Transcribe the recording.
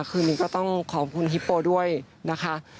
คืนนี้ก็ต้องขอบคุณฮิปโปด้วยนะคะ